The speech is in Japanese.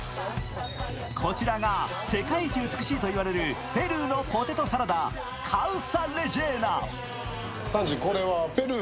こちらが世界一美しいといわれるペルーのポテトサラダカウサレジェーナ。